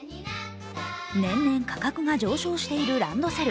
年々価格が上昇しているランドセル。